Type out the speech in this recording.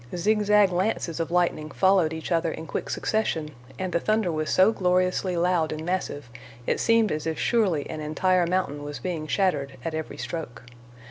Zigzag lances of lightning followed each other in quick succession, and the thunder was so gloriously loud and massive it seemed as if surely an entire mountain was being shattered at every stroke.